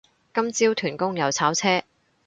今朝屯公又炒車